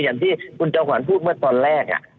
อย่างที่คุณจอมขวัญพูดเมื่อตอนแรก